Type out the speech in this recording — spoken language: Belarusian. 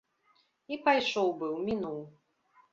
І пайшоў быў, мінуў.